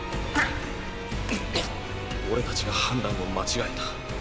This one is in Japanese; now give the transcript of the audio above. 俺たちが判断を間違えた。